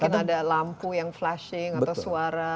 mungkin ada lampu yang flashing atau suara